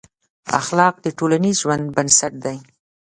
اخلاق د ټولنیز ژوند بنسټ دی.